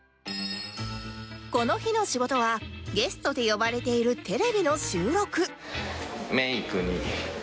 この日の仕事はゲストで呼ばれているテレビの収録